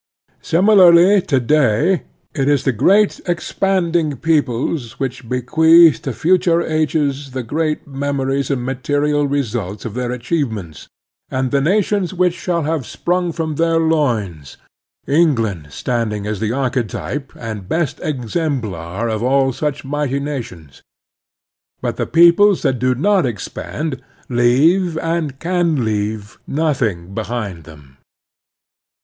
Similarly to day it is the great expanding peoples which bequeath Expansion and Peace 37 to future ages the great memories and material results of their achievements, and the nations which shall have sprung from their loins, England standing as the archetype and best exemplar of all such mighty nations. But the peoples that do not expand leave, and can leave, nothing behind them.